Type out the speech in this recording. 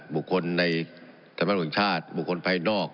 บุคคลในธรรมชาติบุคคลภายนอก